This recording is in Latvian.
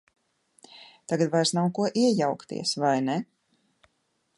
Tagad vairs nav ko iejaukties, vai ne?